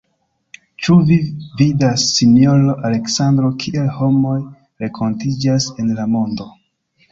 Ĉu vi vidas, sinjoro Aleksandro, kiel homoj renkontiĝas en la mondo!